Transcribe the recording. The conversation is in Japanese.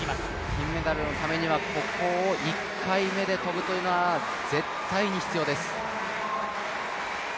金メダルのためにはここを１回目で跳ぶというのは絶対に必要です。